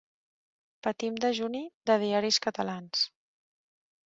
Patim dejuni de diaris catalans.